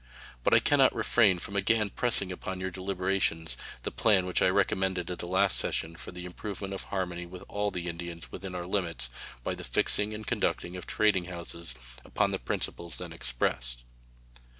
But I can not refrain from again pressing upon your deliberations the plan which I recommended at the last session for the improvement of harmony with all the Indians within our limits by the fixing and conducting of trading houses upon the principles then expressed.